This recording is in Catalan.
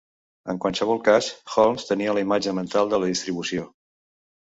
En qualsevol cas, Holmes tenia la imatge mental de la distribució.